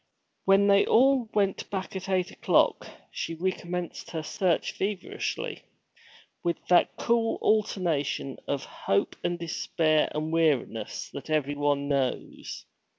When they all went back at eight o'clock, she recommenced her search feverishly, with that cruel alternation of hope and despair and weariness that everyone knows.